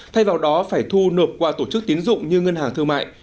thay vào đó phải thu nộp qua tổ chức tiến dụng như ngân hàng thương mại